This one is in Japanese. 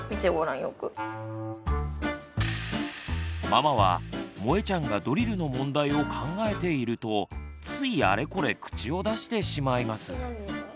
ママはもえちゃんがドリルの問題を考えているとついあれこれ口をだしてしまいます。